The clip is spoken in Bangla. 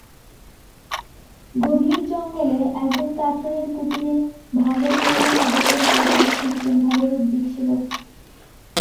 গভীর জঙ্গলে, একজন কাঠুরের কুটিরে, ভালো পরীরা তাদের পরিকল্পনা সুনিপুনভাবে রূপ দিচ্ছিল।